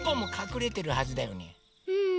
うん。